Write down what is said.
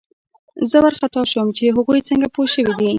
زه وارخطا شوم چې هغوی څنګه پوه شوي دي